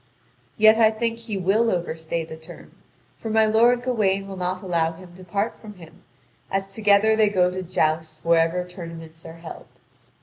Yet I think he will overstay the term, for my lord Gawain will not allow him to part from him, as together they go to joust wherever tournaments are held.